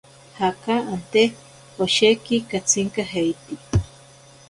Jaka ante osheki katsinkajeiti.